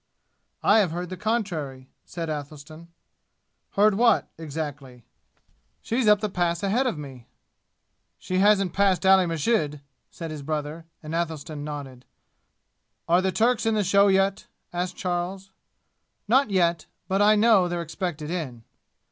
"I have heard the contrary," said Athelstan. "Heard what, exactly?" "She's up the Pass ahead of me." "She hasn't passed Ali Masjid!" said his brother, and Athelstan nodded. "Are the Turks in the show yet?" asked Charles. "Not yet. But I know they're expected in."